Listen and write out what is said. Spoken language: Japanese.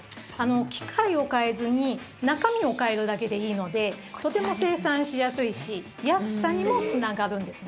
機械を替えずに中身を変えるだけでいいのでとても生産しやすいし安さにもつながるんですね。